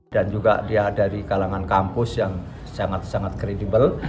dan juga dia dari kalangan kampus yang sangat sangat kredibel